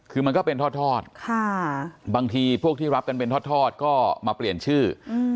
คือมันก็เป็นทอดบางทีพวกที่รับกันเป็นทอดก็มาเปลี่ยนชื่อ